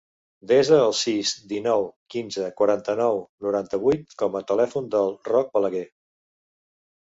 Desa el sis, dinou, quinze, quaranta-nou, noranta-vuit com a telèfon del Roc Balague.